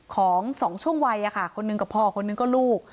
ของ๒ช่วงวัยคนหนึ่งกับพ่อคนนึงก็ลูก